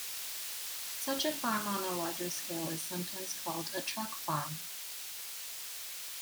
Such a farm on a larger scale is sometimes called a truck farm.